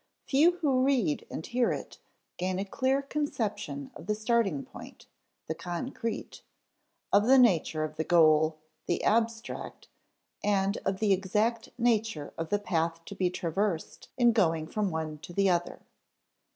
Few who read and hear it gain a clear conception of the starting point, the concrete; of the nature of the goal, the abstract; and of the exact nature of the path to be traversed in going from one to the other.